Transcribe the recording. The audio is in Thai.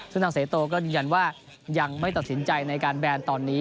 ซึ่งทางเสโตก็ยืนยันว่ายังไม่ตัดสินใจในการแบนตอนนี้